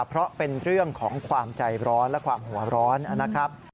เพราะเป็นเรื่องของความใจร้อนและความหัวร้อนนะครับ